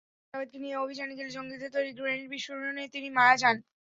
পরদিন জাবেদকে নিয়ে অভিযানে গেলে জঙ্গিদের তৈরি গ্রেনেড বিস্ফোরণে তিনি মারা যান।